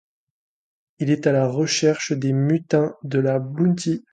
Il est à la recherche des mutins de la Bounty.